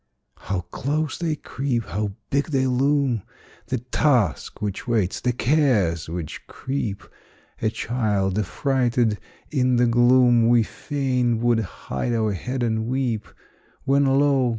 How close they creep! How big they loom! The Task which waits, the Cares which creep; A child, affrighted in the gloom, We fain would hide our head and weep. When, lo!